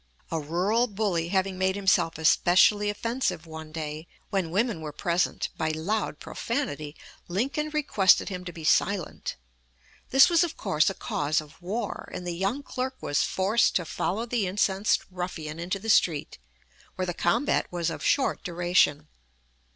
A rural bully having made himself especially offensive one day, when women were present, by loud profanity, Lincoln requested him to be silent. This was of course a cause of war, and the young clerk was forced to follow the incensed ruffian into the street, where the combat was of short duration.